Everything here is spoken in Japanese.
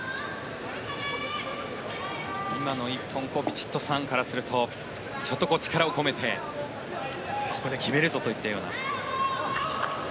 今の１本ヴィチットサーンからするとちょっと力を込めてここで決めるぞといったような。